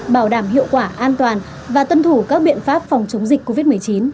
bảo đảm hiệu quả an toàn và tuân thủ các biện pháp phòng chống dịch covid một mươi chín